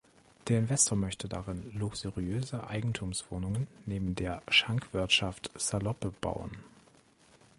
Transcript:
Der Investor möchte darin luxuriöse Eigentumswohnungen neben der Schankwirtschaft Saloppe bauen.